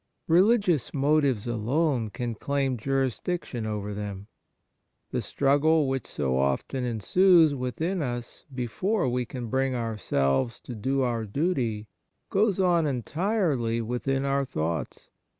Religious motives alone can claim juris diction over them. The struggle which so often ensues within us before we can bring ourselves to do our duty goes on entirely within our thoughts.